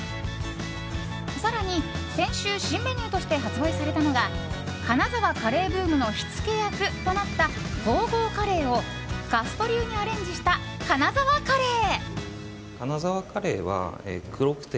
更に先週、新メニューとして発売されたのが金沢カレーブームの火付け役となったゴーゴーカレーをガスト流にアレンジした金沢カレー。